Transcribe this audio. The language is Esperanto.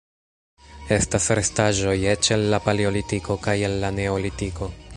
Estas restaĵoj eĉ el la Paleolitiko kaj el la Neolitiko.